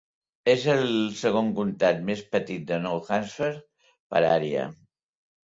És el segon comtat més petit de Nou Hampshire per àrea.